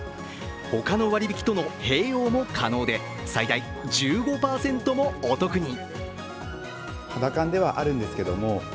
ほかの割引との併用も可能で最大１５％もお得に。